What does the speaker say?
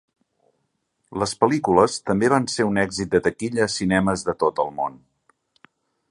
Les pel·lícules també van ser un èxit de taquilla a cinemes de tot el món.